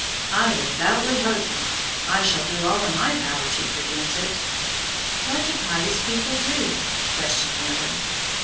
"I devoutly hope not. I shall do all in my power to prevent it." "What do pious people do?" questioned Milly.